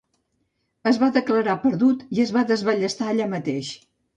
Es va declarar perdut i es va desballestar allà mateix.